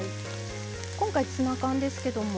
今回ツナ缶ですけども。